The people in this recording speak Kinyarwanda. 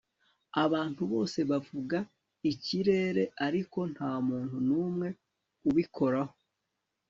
abantu bose bavuga ikirere, ariko ntamuntu numwe ubikoraho